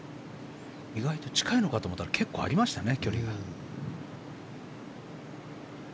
意外と近いのかと思ったら結構、距離がありましたね。